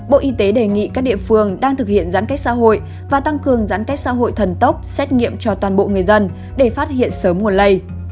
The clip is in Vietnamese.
bộ y tế đề nghị các địa phương đang thực hiện giãn cách xã hội và tăng cường giãn cách xã hội thần tốc xét nghiệm cho toàn bộ người dân để phát hiện sớm nguồn lây